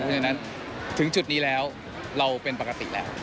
ฉะนั้นถึงจุดนี้แล้วเราเป็นปกติแล้ว